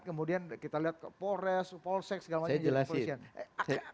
kemudian kita lihat polres polsek segala macam